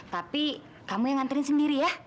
tapi kamu yang nganterin sendiri ya